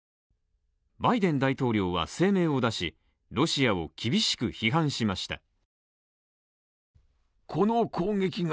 バイデン大統領は声明を出し、ロシアを厳しく批判しました。